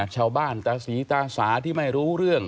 ตาศรีตาสาที่ไม่รู้เรื่อง